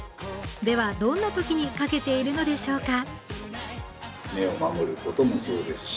では、どんなときにかけているのでしょうか。